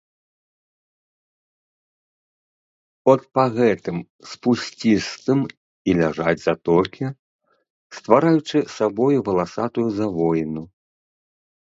От па гэтым спусцістым і ляжаць затокі, ствараючы сабою валасатую завоіну.